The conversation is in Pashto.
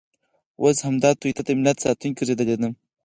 اوس همدا توطیه د ملت ساتونکې ګرځېدلې.